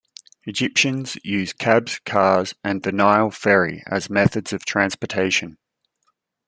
Egyptians use cabs, cars, and the Nile ferry as methods of transportation.